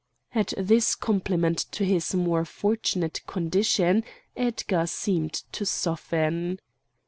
At this compliment to his more fortunate condition, Edgar seemed to soften.